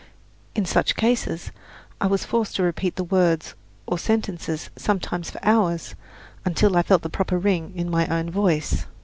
In such cases I was forced to repeat the words or sentences, sometimes for hours, until I felt the proper ring in my own voice.